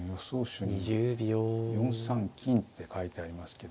手に４三金って書いてありますけど。